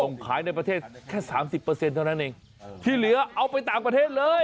ต้องขายในประเทศแค่๓๐เท่านั้นเองที่เหลือเอาไปต่างประเทศเลย